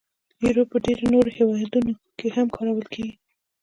یورو په ډیری نورو هیوادونو کې هم کارول کېږي.